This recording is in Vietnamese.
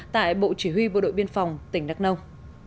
tại bộ chỉ huy bộ đội biên phòng tỉnh đắk nông